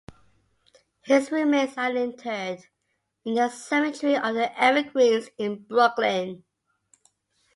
His remains are interred in the Cemetery of the Evergreens in Brooklyn.